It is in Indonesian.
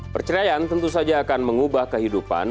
perceraian tentu saja akan mengubah kehidupan